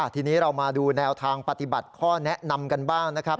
ทีนี้เรามาดูแนวทางปฏิบัติข้อแนะนำกันบ้างนะครับ